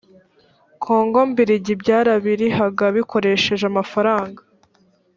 kongo mbirigi byarabirihaga bikoresheje amafaranga